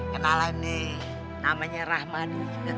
kenalan nih namanya rahman